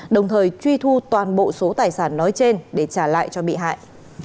đồng thời truy thu toàn bộ số tài sản nói trên để trả lại cho bị hại